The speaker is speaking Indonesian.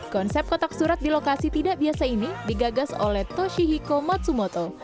konsep kotak surat di lokasi tidak biasa ini digagas oleh toshihiko matsumoto